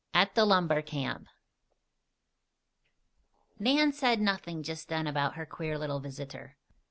AT THE LUMBER CAMP Nan said nothing just then about her queer little visitor.